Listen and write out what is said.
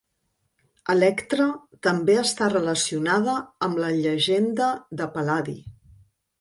Electra també està relacionada amb la llegenda del Pal·ladi.